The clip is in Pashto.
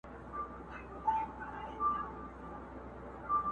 لاس دي بر وي د حاکم پر دښمنانو!!